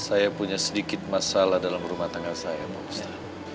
saya punya sedikit masalah dalam rumah tangga saya maksud